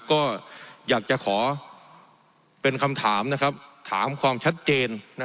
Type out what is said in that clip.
ก็อยากจะขอเป็นคำถามถามความชัดเจน